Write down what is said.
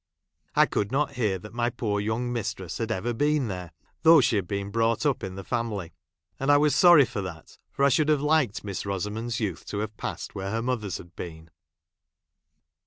I could not hear that my poor young mistress had ever been there, though she had been brought up in the family ; and I was sorry for that, for I should have liked Miss Rosamond's youth to have passed where her mother's had been.